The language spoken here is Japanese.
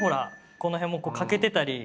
この辺もこう欠けてたり。